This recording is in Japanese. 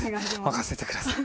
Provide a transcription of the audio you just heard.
任せてください。